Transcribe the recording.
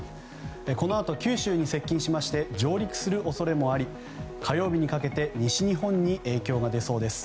このあと九州に接近しまして上陸する恐れもあり火曜日にかけて西日本に影響が出そうです。